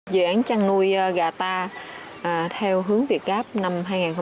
dự án chăn nuôi gà ta theo hướng việt gáp năm hai nghìn một mươi ba